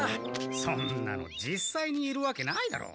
そんなの実際にいるわけないだろ。